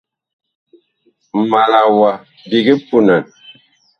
Ma la wa biig punan.